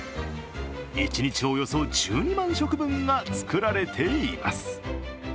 一日およそ１２万食分が作られています。